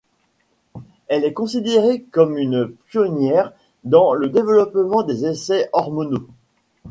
Elle est considérée comme une pionnière dans le développement des essais hormonaux.